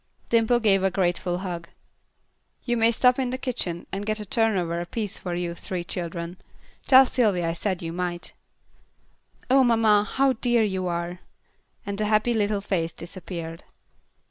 Dimple gave her a grateful hug. "You may stop in the kitchen and get a turnover apiece for you three children. Tell Sylvy I said you might." "Oh, mamma, how dear you are," and the happy little face disappeared.